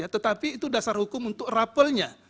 tetapi itu dasar hukum untuk rapelnya